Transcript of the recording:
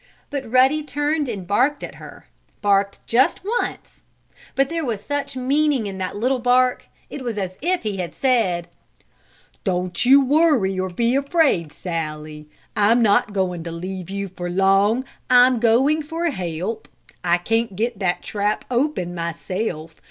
But Ruddy turned and barked at her barked just once. But there was much meaning in that little bark. It was as if he had said: "Don't you worry, or be afraid, Sallie. I'm not going to leave you for long. I'm going for help. I can't get that trap open myself.